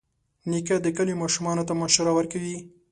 نیکه د کلي ماشومانو ته مشوره ورکوي.